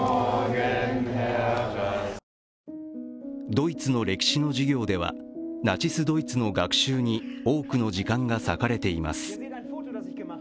ドイツの歴史の授業ではナチス・ドイツの学習に多くの時間が割かれています。